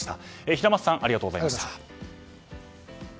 平松さんありがとうございました。